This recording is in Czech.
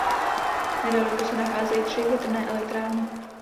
Nedaleko se nacházejí tři větrné elektrárny.